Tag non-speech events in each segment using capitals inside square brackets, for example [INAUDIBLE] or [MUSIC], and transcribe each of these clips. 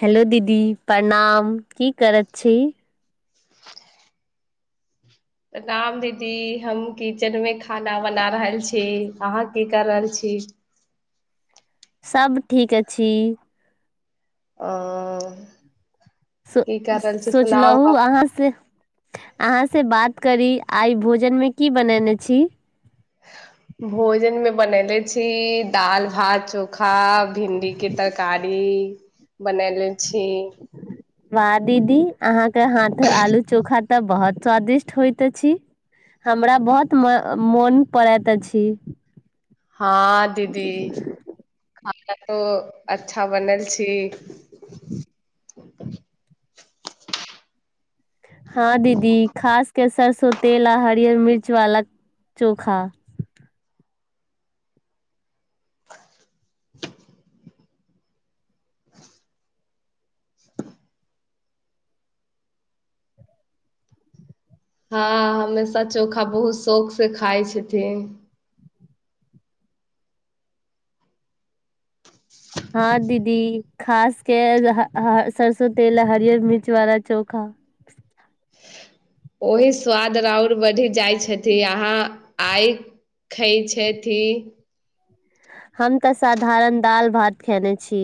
Hello दीदी प्रणाम की कर छी प्रणाम दीदी हम किचेन मे खाना बना रहल छी अहाँ की कर रहल छी सभ ठीक अछि आ स सोचलहु अहाँ से अहाँ से बात करी आइ भोजनमे की बनेने छी भोजन मे बनले छी दाल भात चोखा भिंडी के तरकारी बनले छी ह वाह दीदी अहाँके हाथ आलू चोखा तऽ बहुत स्वादिष्ट होइत अछि हमरा बहुत मोन पड़ैत अछि हँ दीदी खाना तो अच्छा बनल छी। हँ दीदी खास के सर। तेल आ हरियर मिर्च वाला। चोखा। [UNINTELLIGIBLE] [UNINTELLIGIBLE] [UNINTELLIGIBLE] हँ हमेशा चोखा बहुत शौख से खााय छथिन। हँ दीदी खासके सरसो तेल हरियर मिर्च वाला चोखा। ओही स्वाद आओर बढ़ि जाइ छथि अहाँ आय खइ छथि। हम तसाधारण दाल भात खेने छी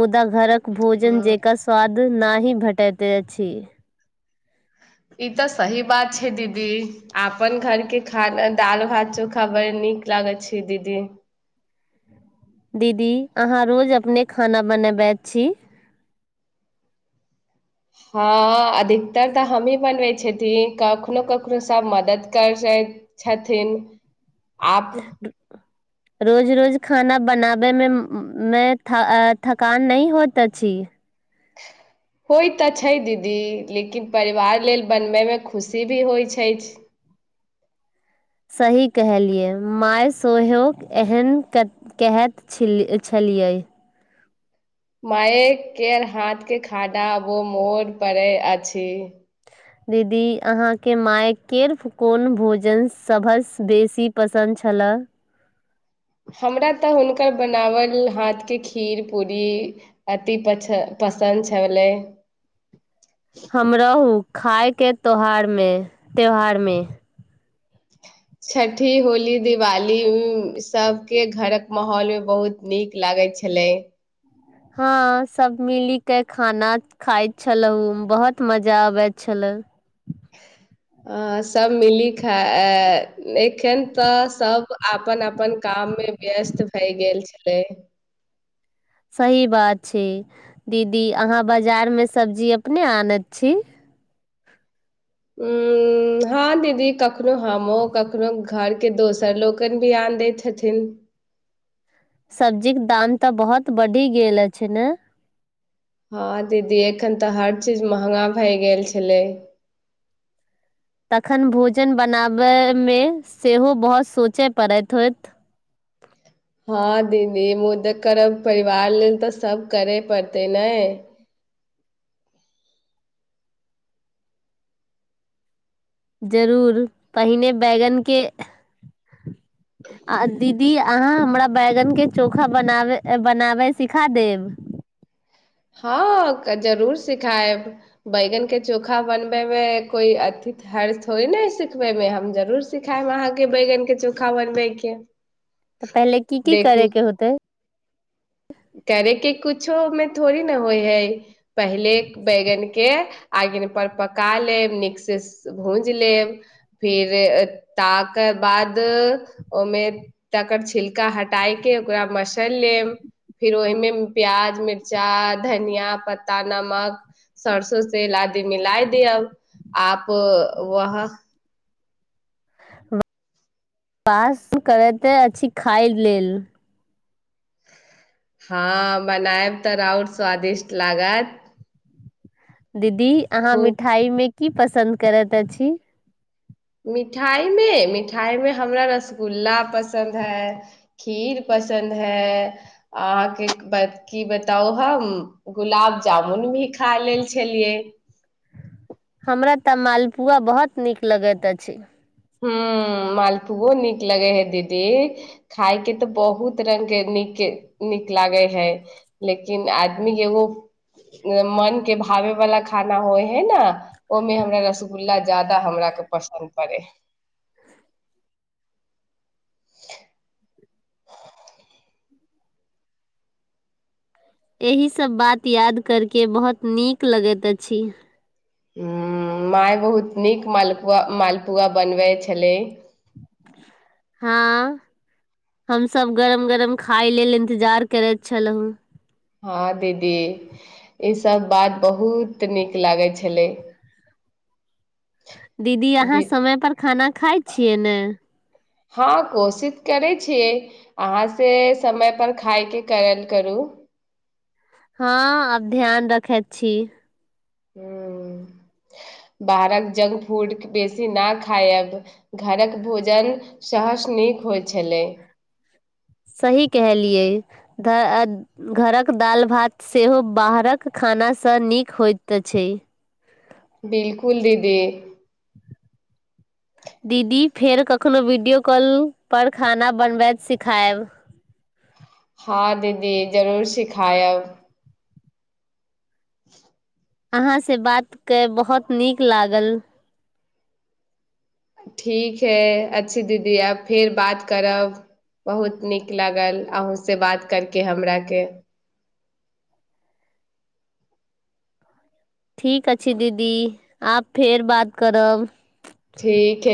मुदा घरक भोजन हँ जेकर स्वाद न ही भेटैते अछि। ई त सही बात छे दीदी आपन घर के खाना दाल भात चोखा बरी नीक लागइ छे दीदी। दीदी अहाँ रोज अपने खाना बनेबैत छी। हँ अधिकतर तऽ हमही बनबै छथिन कखनो- कखनो सभ मदद करइ छथिन। आप। रोज- रोज खाना बनाबै मे में थ थकान नहि होत अछि। होइ त छै दीदी लेकिन परिवार लेल बनबैमे खुशी भी होइ छइ। सही कहलियै मााय सेहो एहन। माय केर हाथ के खानाबो मोड़ पड़ै अछि। दीदी अहाँके मायकेर्फ कोन भोजन सभसँ बेसी पसन्द छलए। हमरा तऽ हुनकर बनावल हाथके खीर पूरी अति पछ पसन्द छलै। हमरहू। खायके तोहार मे त्यौहार मे। छठि होली दिवाली सबके घरक माहौलमे बहुत नीक लागल छलै। हँ सब मिली के खाना खाइत छलहु बहुत मजा आबैत छले। आ सभ मिली खा एखन तऽ सभ अपन -अपन काममे व्यस्त भए गेल छलै। सही बात छै दीदी अहाँ बाजारमे सब्जी अपने आनत छी। ह हँ दीदी कखनो हमहु कखनो घरके दोसर लोकनि बिियान दैत छथिन। सब्जीक के दाम तऽ बहुत बढ़ि गेल अछि ने। हँ दीदी एखन तऽ हर चीज महगा भए गेल छलै। तखन भोजन बनाबयमे सेहो बहुत सोचय पड़ैत होत। हँ दीदी मुदा करब परिवार लेल त सब करे पड़तै ने। जरूर पहिने बैगन के। आ दि। की अहाँ हमरा बैगनके चोखाना बनवाई बनाबै सीखा देब। ह जरूर सिखायब बैगन के चोखा बनबे मे कोइ अथि हरज थोड़ी न है सिखबे मे हम जरूर सिखायब अहाँके बैगन के चोखा बनबे के। त पहिले की की करे के होतेइ। करयके किछो ओहिमे थोड़े ने होइ हइ पहिले बैगनके आङगिन पर पका लेब नीक से भूज लेब फिर ताक बाद ओमे तकर छिलका हटाय के ओकरा मसर लेब। फिर ओहिमे प्याज मिर्चा धनिया पत्ता नमक सरसो तेल आदि मिलाइ दियअ आप वह। वास करैत अछि खाइ लेल। हँ बनायब त राउर स्वादिष्ट लागत। दीदी अहाँ खूब मिठाई मे। की पसन्द करैत अछि। मिठाइमे- मिठाइमे हमरा रसगुल्ला पसन्द है खीर पसन्द है अहाँके की बताउ हम गुलाब जामुन भी खा लेल छलियै। हमरा तऽ मालपुआ बहुत नीक लगैत अछि। ह मालपुओ नीक लगे हे दीदी खाायके तऽ बहुत रंगग के नीक नीक लागे है लेकिन आदमी एगो मन के भावे वालला खाना होइ है न। ओहिमे हमरा रसगुल्ला ज्यदा हमरा के पसन्द पड़े एहि सब बात याद करके बहुत नीक लगैत अछि। ह माय बहुत नीक मालपुआ मालपुआ बनबै छलै। हँ हमस गरम गरम खााय लेल इंतजार करैत छलहुँ। हँ दीदी ईसभ बात बहुत नीक लागै छलै। दीदी अहाँ दी समय पर खाना खाइ छियै ने। हँ कोशिश करै छियै अहाँ से समय पर खाायके करल करू। हँ आब ध्यान रखैत छी। बाहरक जंक फूड बेसी न खायब घरक भोजन सहस नीक होइ छलै। सही कहलियै ध् अ घरक दालि भात सेहो बाहरक खानासँ नीक होइत छै। बिलकुल दीदी। दीदी फेर कखनोहु वीडियो कॉल पर खाना बनबैत सिखायब। हँ दीदी जरूर सिखायब। अहाँसँ बात क बहुत नीक लागल। ठीक है अच्छी दीदी आब फेर बात करब बहुत नीक लागल अहूँसँ बात करके हमराके। ठीक अछि दीदी आब फेर बात करब। ठीक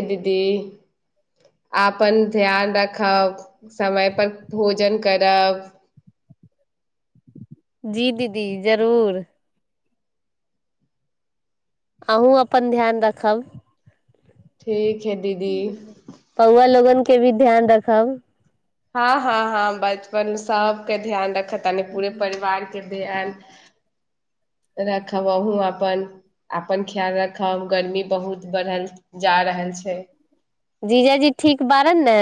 जी दीदी जरूर। अहूँ अपन ध्यान रखब। ठीक। हइ दीदी पौवा लोगन के भी ध्यान रखब। हँ हँ हँ बचपन सबके ध्यान रख। ख नहि पूे परिवार के। रखब अहू अपन अपन ख्याल राखब गर्मी बहुत बढ़ल जा रहल छै। जीजा जी ठीक बारन ने।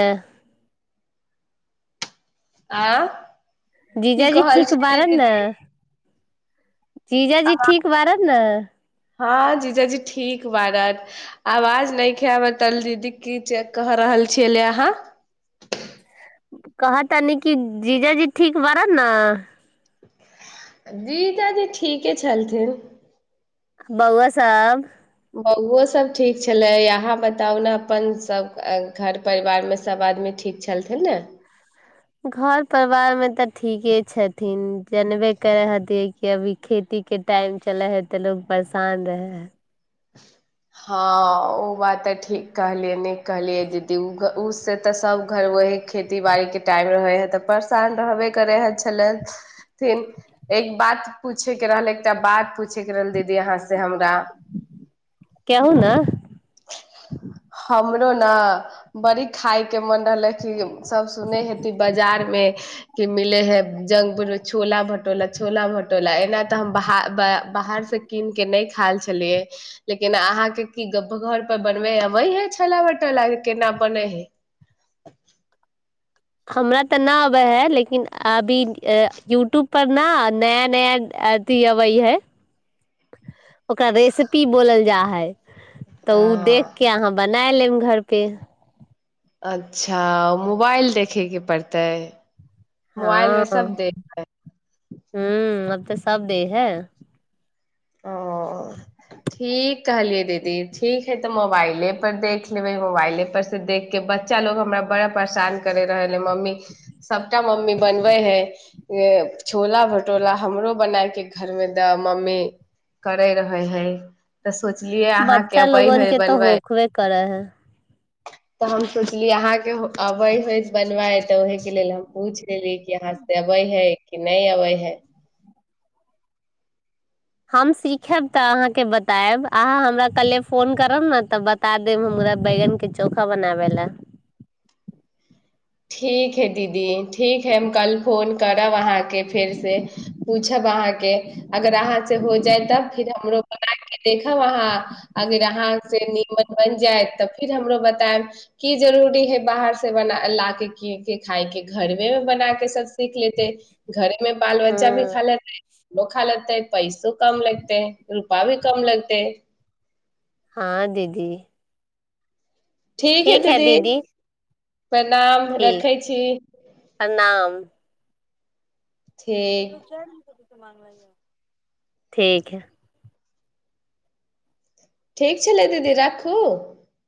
आँ। की जीजाजी कहल ठीक छली बारन न। दीदी जीजाजी ठीक बारत ने। [UNINTELLIGIBLE] [UNINTELLIGIBLE] दीदादी ठीके छलथिन। बउआ सब। बौओ सब ठीक छलै यहाँ बताउ ने अपन सब घर परिवार मे सब आदमी ठीक छलथिन ने। घर परिवारमे तऽ ठीके छथिन जनबे करै हथिै कि अभी खेतीके टाइम चलै हइ तऽ लोक परेशान रहै हइ। हँ ओ बात तऽ ठीक कहलियै निक कहलियै दीदी ओ ओ से तऽ सभ घर ओह खेती बाड़ीके टाइम रहै हइ तऽ परेशान रहबे करै हऐल छले। [UNINTELLIGIBLE] एक बात। पूछय के रहल एकटा बात पूछेके रहल दीदी यहाँ से हमरा। कैहौ न। हमरो न बड़ी खााय के मन रहलै कि सब सुनै हेती बाजार मे। के मिले हे जक फुल मे छोला भटोला छोला भटोला एना तऽ हम बाहर से कीन के नहि खायल छलियै लेकिन अहाँ के की गप घर पर बनबे अबै है छोला भटेरा के केना बनै है। हमरा तऽ न अबे है लेकिन अभी यूट्यूब पर न नया -नया अथी अबै है ओकरा रेसिपी बोलल जा है। तऽ ओ देख हँ के अहाँ ब। नै ऐलेन घर पे। अच्छा मोबाइल देखयके पड़तै। मोबाइल हँ मे सब देख हू। तऽ सब दे है। ओ ठीक कहलियै दीदी ठीक हइ तऽ मोबाइलेपर देख लेबै मोबाइलेपर से देखि कऽ बच्चा लोग हमरा बड़ा परेशान करैत रहलइ मम्मी सभटा मम्मी बनबैत हइ छोला भटूला हमरो बनायके घरमे दऽ मम्मी। करैत रहै हइ। बच्चा लोगने तऽ होखबे करै है। तऽ हम सोचलिय अहाँके अबै हइ बनबााय तऽ ओहहिके लेल हम पूछि लेली कि यहाँ से अबै हइ कि नहि अबै हइ। हम सीखब तऽ अहाँके बतायब अहाँ हमरा कल्हिे फोन करब ने तऽ बता देब हमरा बैगनके चोखा बनाबै लए। ठीक हइ दीदी ठीक हइ हम कल फोन करब अहाँ। फेर से प अ अगर अहाँ हो तब फर हमरो बना के देखब अहाँ अगर अहाँ से नीमन बन जायत तऽ फिर हमरो बतायब की जरुररी है बाहर से बना ला की के खाायके घरमे मे बना के सब सीख लेतै घर मे बाल बच्चा भी हूँ खा लेता है। बोखा लगतै पैसो कम लगतै रूपा भी कम लगतै। हँ दीदी। ठीक है दीदी। प्रणाम ठीक रखै छी। प्रणाम ठीक। ठीकीक है। ठीक छलै दीदी राखू।